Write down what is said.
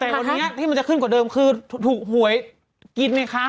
แต่วันนี้ที่มันจะขึ้นกว่าเดิมคือถูกหวยกินไงคะ